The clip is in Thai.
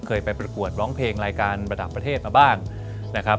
เคยไปประกวดร้องเพลงรายการระดับประเทศมาบ้างนะครับ